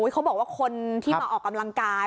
เขาบอกว่าคนที่มาออกกำลังกาย